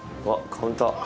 カウンター。